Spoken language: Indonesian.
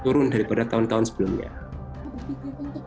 kita harus berpikir apa yang kita lakukan untuk menurunkan kebebasan berpendapat